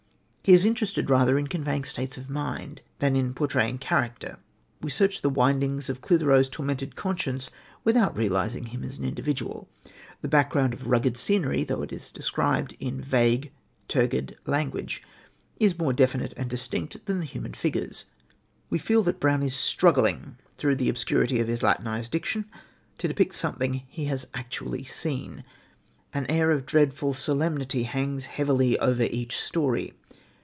He is interested rather in conveying states of mind than in portraying character. We search the windings of Clithero's tormented conscience without realising him as an individual. The background of rugged scenery, though it is described in vague, turgid language, is more definite and distinct than the human figures. We feel that Brown is struggling through the obscurity of his Latinised diction to depict something he has actually seen. An air of dreadful solemnity hangs heavily over each story.